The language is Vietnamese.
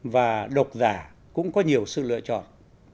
và độc giả cũng có nhiều sự lựa chọn